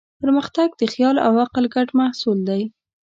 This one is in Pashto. پرمختګ د خیال او عقل ګډ محصول دی.